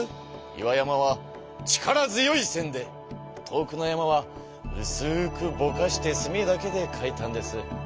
岩山は力強い線で遠くの山はうすくぼかして墨だけで描いたんです。